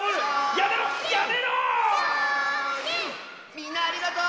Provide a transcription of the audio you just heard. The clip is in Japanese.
みんなありがとう！